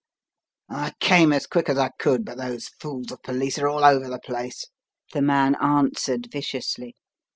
"I came as quick as I could, but those fools of police are all over the place," the man answered, viciously.